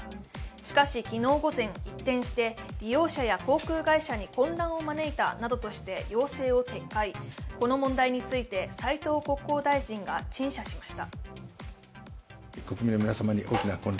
しかし昨日午前、一転して利用者や航空会社に混乱を招いたなどとして要請を撤回、この問題について斉藤国交大臣が陳謝しました。